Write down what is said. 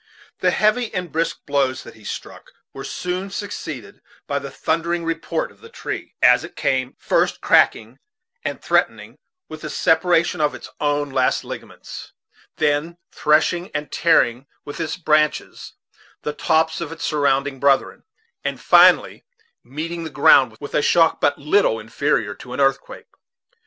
The heavy and brisk blows that he struck were soon succeeded by the thundering report of the tree, as it came, first cracking and threatening with the separation of its own last ligaments, then threshing and tearing with its branches the tops of its surrounding brethren, and finally meeting the ground with a shock but little inferior to an earthquake.